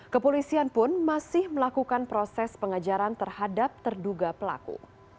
kepolisian pun masih melakukan proses pengajaran terhadap terduga pelaku